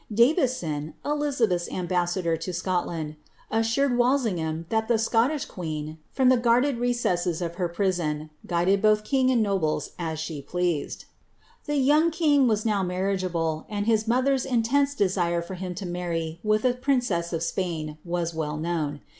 Davison, Elizabeth's ambassador to Scot land, assured Walsingham that the Scottish queen, from the guarded re cesses of her prison, guided both king and nobles as she pleased.' The young king was now marriageable, and his mother's intense de sire for him to marry with a princess of Spain was well known.